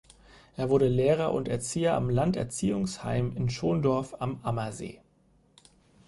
Er wurde Lehrer und Erzieher am Landerziehungsheim in Schondorf am Ammersee.